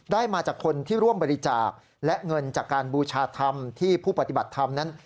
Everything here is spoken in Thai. มาจากคนที่ร่วมบริจาคและเงินจากการบูชาธรรมที่ผู้ปฏิบัติธรรมนั้น